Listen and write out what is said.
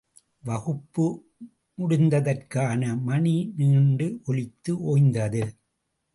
வகுப்பு முடிந்ததற்கான மணி நீண்டு ஒலித்து ஓய்ந்தது.